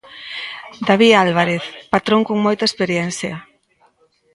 David Álvarez, patrón con moita experiencia.